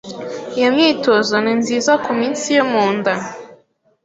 Iyo myitozo ni nziza kumitsi yo munda.